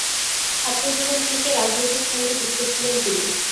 ছাত্রজীবন থেকে রাজনীতির সঙ্গে যুক্ত ছিলেন তিনি।